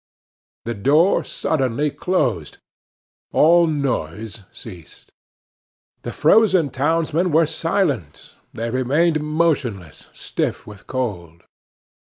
The door suddenly closed. All noise ceased. The frozen townsmen were silent; they remained motionless, stiff with cold.